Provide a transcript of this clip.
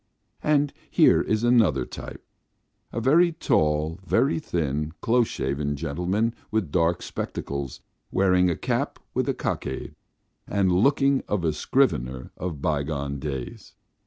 And here is another "type," a very tall, very thin, close shaven gentleman in dark spectacles, wearing a cap with a cockade, and looking like a scrivener of by gone days.